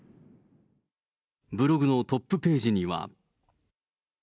ブログのトップページには。